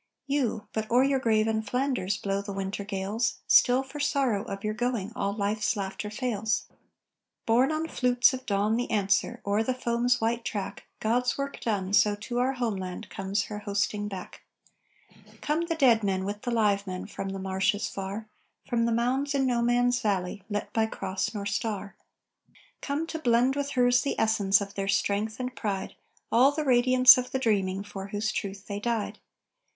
You! But o'er your grave in Flanders Blow the winter gales; Still for sorrow of your going All life's laughter fails. Borne on flutes of dawn the answer: "O'er the foam's white track, God's work done, so to our homeland Comes her hosting back. "Come the dead men with the live men From the marshes far, From the mounds in no man's valley, Lit by cross nor star. "Come to blend with hers the essence Of their strength and pride, All the radiance of the dreaming For whose truth they died."